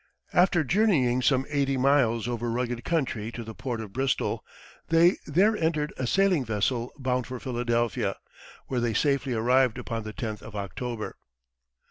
After journeying some eighty miles over rugged country to the port of Bristol, they there entered a sailing vessel bound for Philadelphia, where they safely arrived upon the tenth of October.